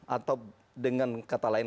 atau dengan kata lain